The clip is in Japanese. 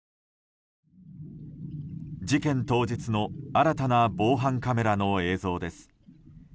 事件当日の新たな防犯カメラの映像です。